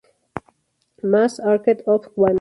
Mass-Arket of one'.